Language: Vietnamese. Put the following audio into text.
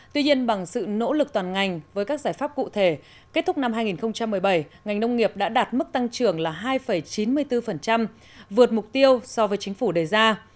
tuy nhiên bằng sự nỗ lực toàn ngành với các giải pháp cụ thể kết thúc năm hai nghìn một mươi bảy ngành nông nghiệp đã đạt mức tăng trưởng là hai chín mươi bốn vượt mục tiêu so với chính phủ đề ra